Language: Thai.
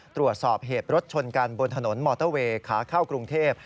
ตรวจสอบเหตุรถชนกันบนถนนมอเตอร์เวย์ขาเข้ากรุงเทพ